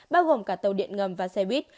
bao gồm cả tàu điện ngầm và xe buýt